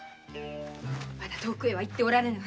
まだ遠くへは行っておられぬはず。